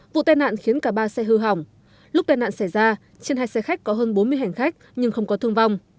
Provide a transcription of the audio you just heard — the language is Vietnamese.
vụ tai nạn khiến cả ba xe hư hỏng lúc tai nạn xảy ra trên hai xe khách có hơn bốn mươi hành khách nhưng không có thương vong